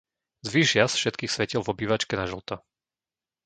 Zvýš jas všetkých svetiel v obývačke na žlto.